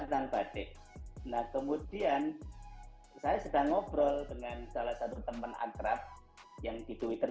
lain lagi dengan nu garis satu